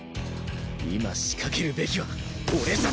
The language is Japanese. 今仕掛けるべきは俺じゃない！